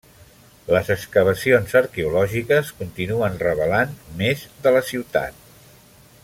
Les excavacions arqueològiques continuen revelant més de la ciutat.